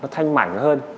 thanh mảnh hơn